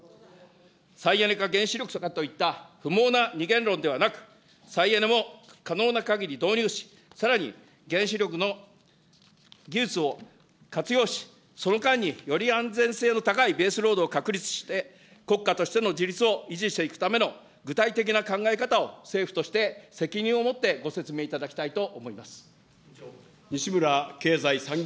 再エネか原子力かといった不毛な二元論ではなく、再エネも可能なかぎり導入し、さらに、原子力の技術を活用し、その間により安全性の高いベースロードを確立して、国家としての自律を維持していくための具体的な考え方を政府として責任を持ってご説明いただきたいと思います。